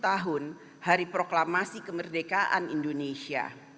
tujuh puluh tujuh tahun hari proklamasi kemerdekaan indonesia